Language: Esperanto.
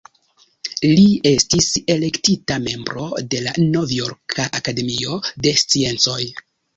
Li estis elektita membro de la Novjorka Akademio de Sciencoj.